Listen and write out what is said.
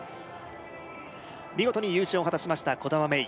見事に優勝を果たしました兒玉芽生